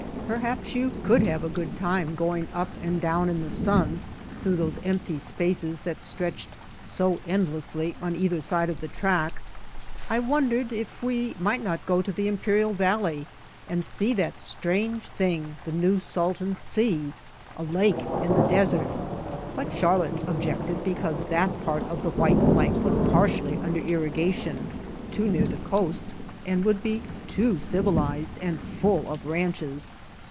Perhaps you could have a good time going up and down in the sun through those empty spaces that stretched so endlessly on either side of the track. I wondered if we might not go to the Imperial Valley and see that strange thing, the new Salton Sea, a lake in the desert; but Char lotte objected because that part of the white ["7] White Heart of Mojave blank was partially under irrigation, too near the coast, and would be too civilized and full of ranches.